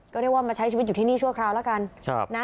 ก็เรียกว่ามาใช้ชีวิตอยู่ที่นี่ชั่วคราวแล้วกัน